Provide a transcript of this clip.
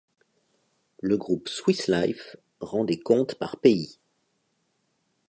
Le groupe Swiss Life rend des comptes par pays.